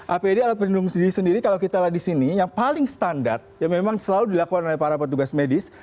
apd alat pelindung sendiri sendiri kalau kita lihat di sini yang paling standar yang memang selalu dilakukan oleh para petugas medis